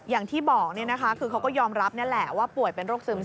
อย่างที่บอกก็ยอมรับแหละว่าป่วยเป็นโรคซึ้มเศร้า